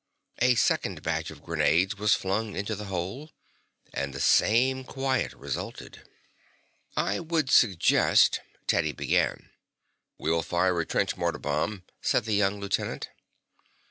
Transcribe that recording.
A second batch of grenades was flung into the hole, and the same quiet resulted. "I would suggest " Teddy begin. "We'll fire a trench mortar bomb," said the young lieutenant.